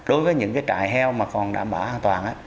đối với những cái trại heo mà còn đảm bảo an toàn